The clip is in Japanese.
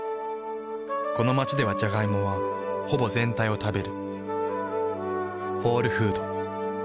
この街ではジャガイモはほぼ全体を食べる。